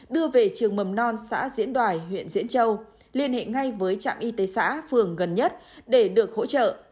đưa về trường mầm non xã diễn đoài huyện diễn châu liên hệ ngay với trạm y tế xã phường gần nhất để được hỗ trợ